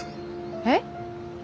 えっ？